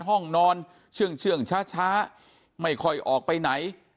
ห้องนอนเชื่องช้าไม่ค่อยออกไปไหน